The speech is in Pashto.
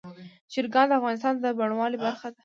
چرګان د افغانستان د بڼوالۍ برخه ده.